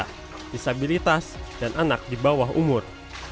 disabilitas dan anak di bawah umur